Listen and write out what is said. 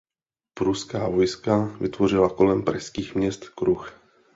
Pruská vojska vytvořila kolem pražských měst kruh.